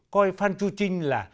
coi phan chu trinh là